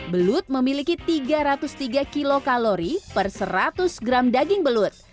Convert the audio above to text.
belut memiliki tiga ratus tiga kilokalori per seratus gram daging belut